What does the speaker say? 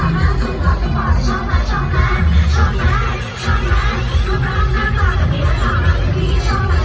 น่ารักน่าฉันทั้งกายฉันหล่อนี้ออกได้ขอร้ายใช่มั้ย